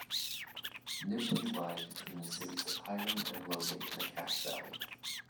Nibley lies between the cities of Hyrum and Logan in the Cache Valley.